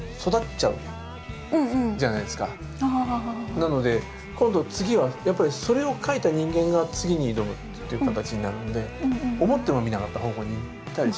なので今度次はやっぱりそれを描いた人間が次に挑むっていう形になるので思ってもみなかった方向にいったりしますよね。